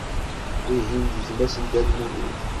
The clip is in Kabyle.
Wihin d gma-s n Dda Lmulud.